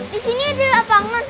di sini ada lapangan